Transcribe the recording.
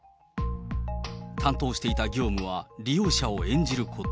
担当していた業務は利用者を演じること。